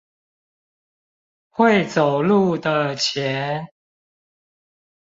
會走路的錢